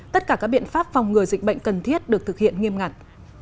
tất cả các biện pháp phòng ngừa dịch bệnh cần thiết được thực hiện nghiêm ngặt